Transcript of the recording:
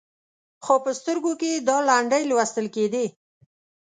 خو په سترګو کې یې دا لنډۍ لوستل کېدې.